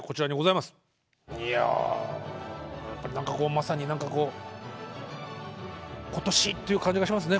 いや何かこうまさに何かこう今年っていう感じがしますね。